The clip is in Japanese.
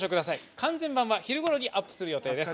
完全版は昼ごろにアップする予定です。